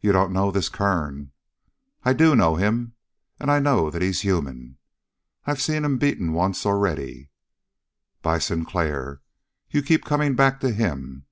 "You don't know this Kern!" "I do know him, and I know that he's human. I've seen him beaten once already." "By Sinclair! You keep coming back to him!"